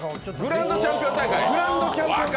グランドチャンピオン大会を。